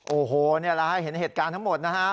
โอ้โหนี่แหละให้เห็นเหตุการณ์ทั้งหมดนะฮะ